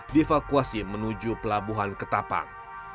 dievakuasi menuju pelabuhan ketapang